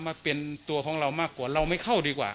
มาเป็นตัวของเรามากกว่าเราไม่เข้าดีกว่า